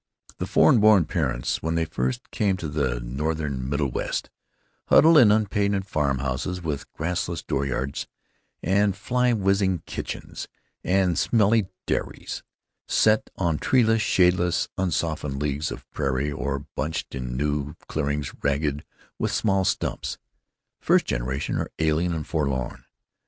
The foreign born parents, when they first come to the Northern Middlewest, huddle in unpainted farm houses with grassless dooryards and fly zizzing kitchens and smelly dairies, set on treeless, shadeless, unsoftened leagues of prairie or bunched in new clearings ragged with small stumps. The first generation are alien and forlorn.